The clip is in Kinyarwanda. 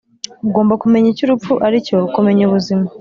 ugomba kumenya icyo urupfu aricyo kumenya ubuzima.